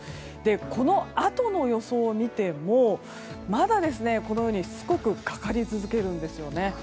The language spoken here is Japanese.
このあとの予想を見てもまだ、しつこくかかり続けるんですね。